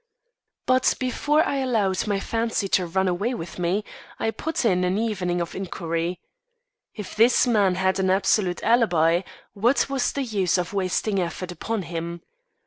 "But before I allowed my fancy to run away with me, I put in an evening of inquiry. If this man had an absolute alibi, what was the use of wasting effort upon him.